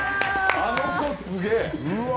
あの子すげえ！